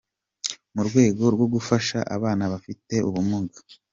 mu rwego rwo gufasha abana bafite ubumuga.